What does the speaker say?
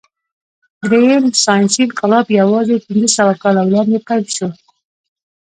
درېیم ساینسي انقلاب یواځې پنځهسوه کاله وړاندې پیل شو.